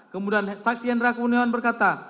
kemudian saksi hendra kuniawan berkata